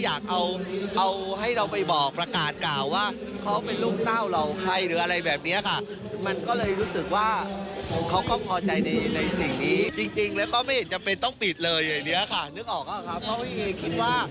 เจมส์มาร์ติดหูเห็นไหมจำง่ายนะคะค่ะ